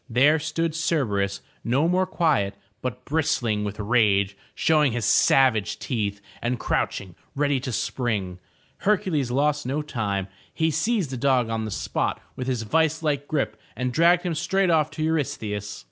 There stood Cerberus, no more quiet, but bristling with rage, showing his savage teeth, and crouching ready to spring. Hercules lost no time. He seized the dog on the spot with his vice like grip, and dragged him straight off to Eurystheus.